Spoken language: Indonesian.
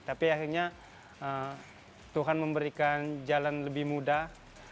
tapi akhirnya tuhan memberikan jalan lebih mudah